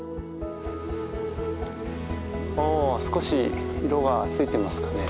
お少し色がついてますかね。